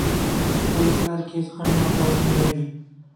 د پوهې په لار کې هېڅ خنډ باید نه وي.